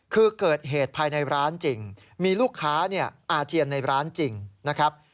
คือเกิดเหตุภายในร้านจริงมีลูกค้าอาเจียนในร้านจริงนะครับ